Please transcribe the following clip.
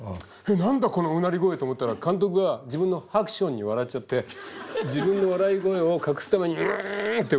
何だこのうなり声と思ったら監督が自分のハクションに笑っちゃって自分の笑い声を隠すために「うん」ってうなってたみたいで。